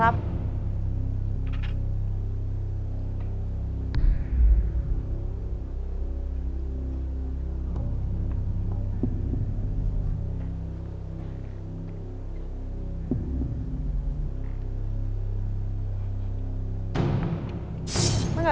ให้มาลองยกอยู่ได้นะครับ